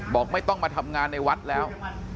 บอกไม่ต้องมาทำงานในวัดแล้ว